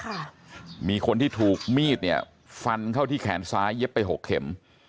ค่ะมีคนที่ถูกมีดเนี่ยฟันเข้าที่แขนซ้ายเย็บไปหกเข็ม